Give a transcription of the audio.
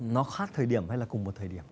nó khác thời điểm hay là cùng một thời điểm